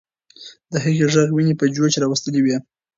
د هغې ږغ ويني په جوش راوستلې وې.